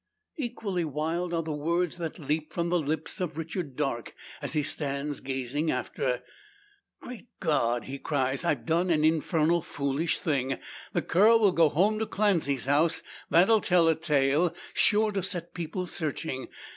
Equally wild are the words that leap from the lips of Richard Darke, as he stands gazing after. "Great God!" he cries; "I've done an infernal foolish thing. The cur will go home to Clancy's house. That'll tell a tale, sure to set people searching.